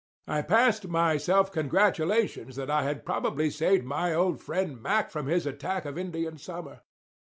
I passed myself congratulations that I had probably saved my old friend Mack from his attack of Indian summer.